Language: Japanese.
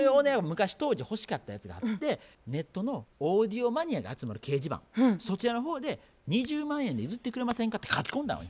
昔当時欲しかったやつがあってネットのオーディオマニアが集まる掲示板そちらの方で「２０万円で譲ってくれませんか」って書き込んだんよ。